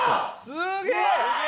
すげえ！